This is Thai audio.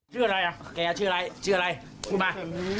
ชื่ออะไรอ่ะแกชื่ออะไรชื่ออะไรพูดมา